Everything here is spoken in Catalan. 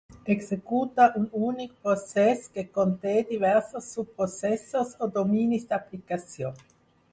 Executa un únic procés que conté diversos subprocessos o dominis d'aplicació.